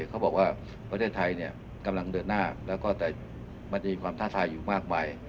เขาบอกว่าประเทศไทยกำลังเดินหน้าแล้วก็แต่มันจะมีความท้าทายอยู่มากมาย